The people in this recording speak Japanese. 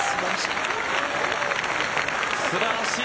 素晴らしい。